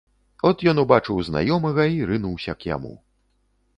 От ён убачыў знаёмага і рынуўся к яму.